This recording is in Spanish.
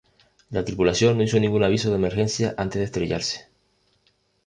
La tripulación no hizo ningún aviso de emergencia antes de estrellarse.